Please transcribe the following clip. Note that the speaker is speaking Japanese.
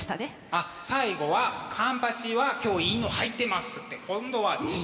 あっ最後はカンパチは今日いいの入ってますって今度は自信を持ってね。